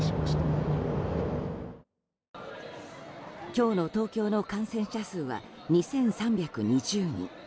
今日の東京の感染者数は２３２０人。